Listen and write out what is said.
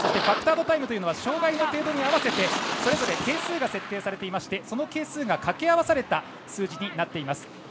ファクタードタイムというのは障がいの程度に合わせてそれぞれ係数が設定されていましてその係数が掛け合わされた数字になっています。